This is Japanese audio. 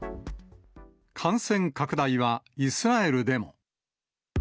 感染拡大はイスラエルでも。